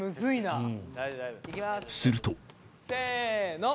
するとせの！